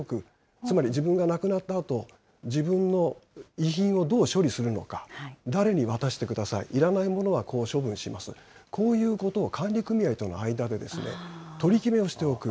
つまり自分が亡くなったあと、自分の遺品をどう処理するのか、誰に渡してください、いらないものはこう処分します、こういうことを管理組合との間で取り決めをしておく。